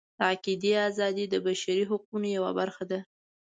د عقیدې ازادي د بشري حقونو یوه برخه ده.